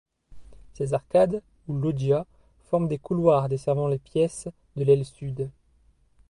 Ces arcades, ou loggias, forment des couloirs desservant les pièces de l'aile Sud.